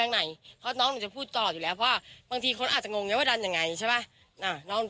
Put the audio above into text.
แหล่งไหนเค้าน้องหนูจะพูดต่ออยู่แล้วเพราะว่าบางทีคนอาจจะง